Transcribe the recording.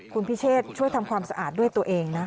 คุณพิเชษช่วยทำความสะอาดด้วยตัวเองนะ